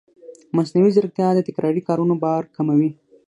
مصنوعي ځیرکتیا د تکراري کارونو بار کموي.